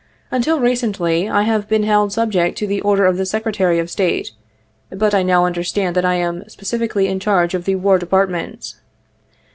Until recently I have been held subject to the order of the Secretary of State, but I now understand that I am spe cially in charge of the War Department.